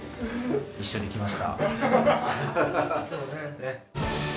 一緒に来ました。